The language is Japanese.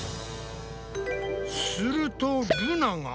するとルナが。